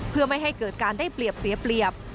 เพื่อไม่ให้เกิดการได้เปรียบเสียเปรียบ